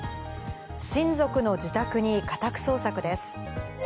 親族の自宅に家宅捜索です。